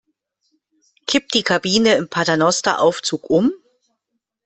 Kippt die Kabine im Paternosteraufzug um?